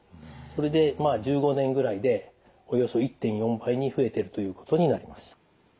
それで１５年ぐらいでおよそ１．４倍に増えてるということになります。